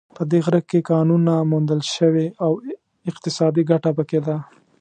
په دې غره کې کانونو موندل شوې او اقتصادي ګټه په کې ده